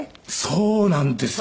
そうなんですよ。